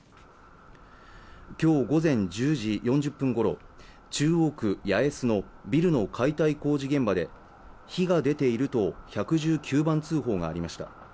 今日午前１０時４０分ごろ中央区八重洲のビルの解体工事現場で火が出ていると１１９番通報がありました